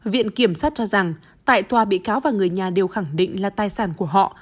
viện kiểm sát cho rằng tại tòa bị cáo và người nhà đều khẳng định là tài sản của họ